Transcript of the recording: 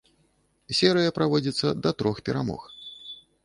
Серыя праводзіцца да трох перамог.